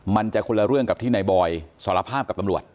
มันจะคนละเรื่องกับที่นายบอยสารภาพกับตำรวจ